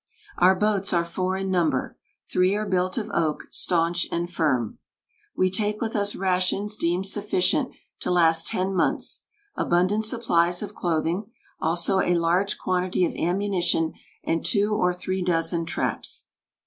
"Our boats are four in number. Three are built of oak, staunch and firm." "We take with us rations deemed sufficient to last ten months, abundant supplies of clothing, also a large quantity of ammunition and two or three dozen traps."